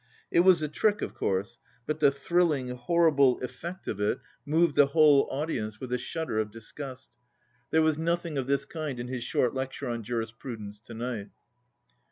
It was a trick, of course, but the thrilling, horrible effect of it 113 moved the whole audience with a shudder of dis gust. There was nothing of this kind in his short lecture on jurisprudence to night.